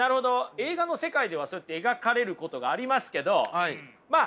映画の世界ではそうやって描かれることがありますけどまあ